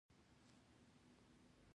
پوست د بدن تر ټولو لوی غړی دی.